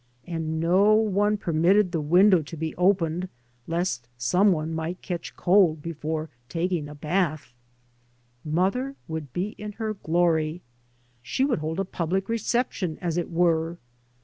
And no one permitted the window to be opened lest some one catch cold before taking a bath I Mother would be in her glory. She would hold a public reception, as it were.